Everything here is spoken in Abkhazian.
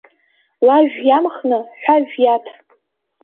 Лажә иамхны ҳәажә иаҭ…